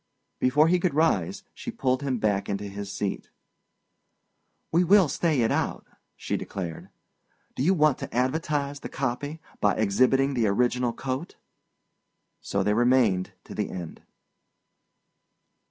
Before he could rise, she pulled him back into his seat. "We will stay it out," she declared. "Do you want to advertise the copy by exhibiting the original coat?" So they remained to the end.